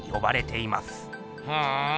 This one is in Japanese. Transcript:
ふん。